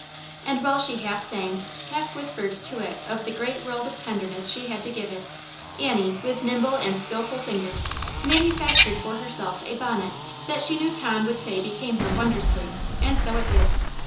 And while she half sang, half whispered to it of the great world of tenderness she had to give it, Annie, with nimble and skilful fingers, manufactured for her self a bonnet that she knew Tom would say became her wondrously, and so it did.